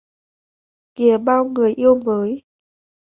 - Kìa bao người yêu mới